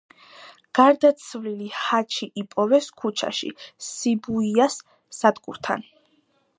გარდაცვლილი ჰაჩი იპოვეს ქუჩაში, სიბუიას სადგურთან.